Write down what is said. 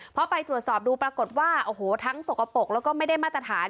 พอไปตรวจสอบดูปรากฏว่าโอ้โหทั้งสกปรกแล้วก็ไม่ได้มาตรฐาน